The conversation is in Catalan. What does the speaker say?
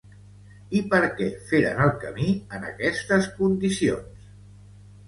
I per què feren el camí en aquestes condicions?